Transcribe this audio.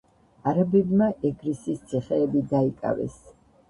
არაბებმა ეგრისის ციხეები დაიკავეს.